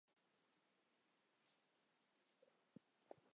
曼绒县的学校主要由曼绒县教育局管辖。